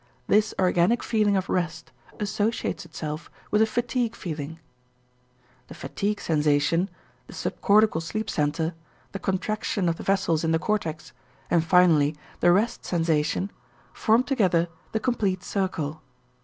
This organic feeling of rest associates itself with the fatigue feeling. The fatigue sensation, the subcortical sleep center, the contraction of the vessels in the cortex, and finally the rest sensation form together the complete circle.